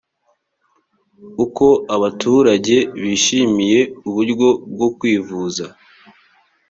uko abaturage bishimiye uburyo bwo kwivuza